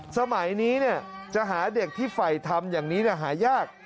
สมัยนี้จะหาเด็กที่ฝ่ายทำอย่างนี้หายาก